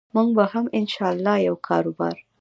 موږ به هم إن شاء الله یو کاربار